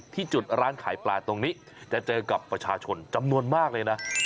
ที่จุดร้านขายปลาตรงนี้จะเจอกับประชาชนจำนวนมากเลยนะ